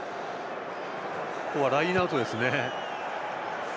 ここはラインアウトですね。